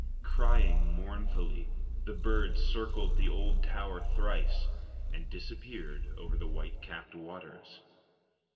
Crying mournfully, the bird circled the old tower thrice, and disappeared over the white capped waters.